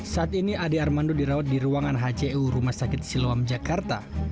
saat ini ade armando dirawat di ruangan hcu rumah sakit siloam jakarta